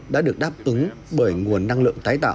đã được đáp ứng bởi nguồn năng lượng tái tạo